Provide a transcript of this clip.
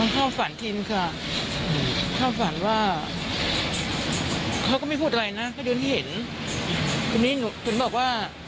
ข้าวฝันเสร็จแบบนี้นะคะ